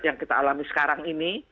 yang kita alami sekarang ini